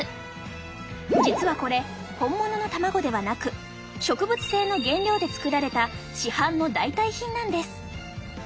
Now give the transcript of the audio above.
実はこれ本物の卵ではなく植物性の原料で作られた市販の代替品なんです。